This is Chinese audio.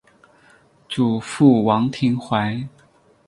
祖父王庭槐。